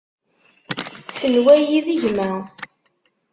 Tenwa-yi d gma.